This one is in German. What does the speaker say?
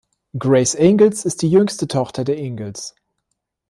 Grace Ingalls ist die jüngste Tochter der Ingalls.